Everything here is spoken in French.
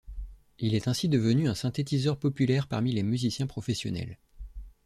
Il est ainsi devenu un synthétiseur populaire parmi les musiciens professionnels.